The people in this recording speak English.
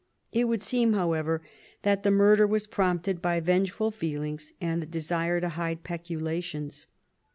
It would seem, however, that the murder was prompted by venge ful feelings and the desire to hide peculations.